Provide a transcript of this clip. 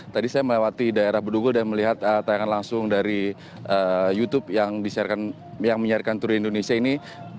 tadi saya melewati daerah bedugul dan melihat tayangan langsung dari youtube yang menyiarkan tour di indonesia ini